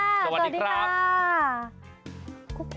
สวัสดีค่ะ